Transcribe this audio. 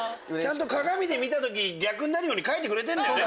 鏡で見た時逆になるように書いてくれてんだよね？